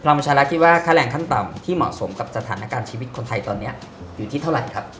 ประชารัฐคิดว่าค่าแรงขั้นต่ำที่เหมาะสมกับสถานการณ์ชีวิตคนไทยตอนนี้อยู่ที่เท่าไหร่ครับ